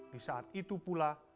di saat itu pula